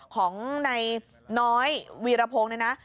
ของนายน้อยวีรพงศ์เนี่ยนะ